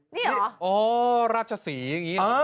นี่หรออ๋อราชสีอย่างนี้